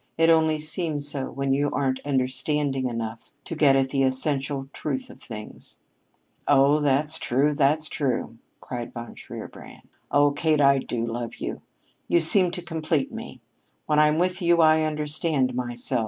It only seems so when you aren't understanding enough to get at the essential truth of things." "Oh, that's true! That's true!" cried Von Shierbrand. "Oh, Kate, I do love you. You seem to complete me. When I'm with you I understand myself.